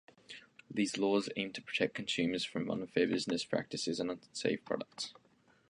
These laws aim to protect consumers from unfair business practices and unsafe products.